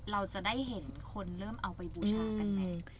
เราจะได้เห็นคนเริ่มเอาไปบูชากันไหม